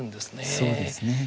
そうですね。